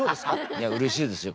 いやうれしいですよ